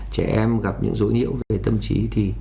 trẻ em gặp những rỗi nhiễu về tâm trí thì